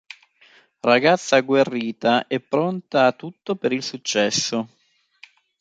Ragazza agguerrita e pronta a tutto per il successo.